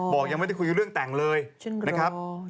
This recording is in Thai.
ยังไม่ได้คุยเรื่องแต่งเลยนะครับ